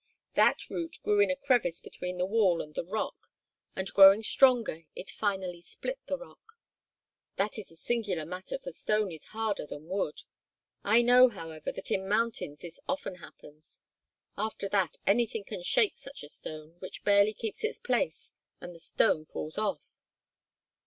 "That root grew in a crevice between the wall and the rock, and growing stronger, it finally split the rock. That is a singular matter for stone is harder than wood; I know, however, that in mountains this often happens. After that anything can shake such a stone which barely keeps its place, and the stone falls off."